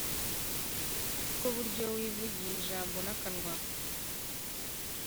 kuko burya iyo wivugiye ijambo n’akanwa